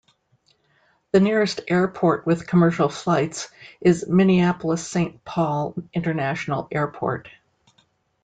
The nearest airport with commercial flights is Minneapolis-Saint Paul International Airport.